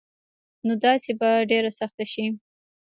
نو داسي به ډيره سخته شي